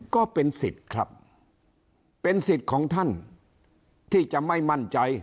ก็เป็นสิทธิ์ครับเป็นสิทธิ์ของท่านที่จะไม่มั่นใจ